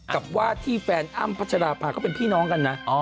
กับว่าที่แฟนอ้ำพัชราภาเขาเป็นพี่น้องกันนะ